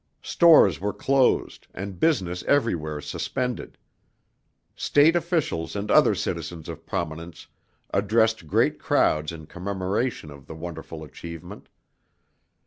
Stores were closed and business everywhere suspended. State officials and other citizens of prominence addressed great crowds in commemoration of the wonderful achievement.